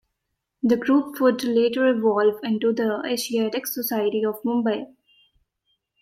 The group would later evolve into the Asiatic Society of Mumbai.